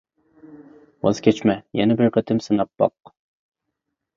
ۋاز كەچمە، يەنە بىر قېتىم سىناق باق.